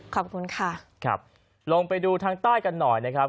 ขอบคุณค่ะครับลงไปดูทางใต้กันหน่อยนะครับ